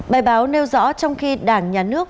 bài báo nêu rõ trong khi đảng nhà nước